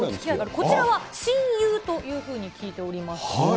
こちらは親友というふうに聞いております。